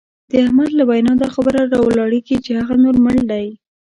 د احمد له وینا دا خبره را ولاړېږي چې هغه نور مړ دی.